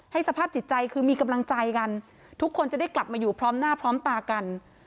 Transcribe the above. สภาพจิตใจคือมีกำลังใจกันทุกคนจะได้กลับมาอยู่พร้อมหน้าพร้อมตากัน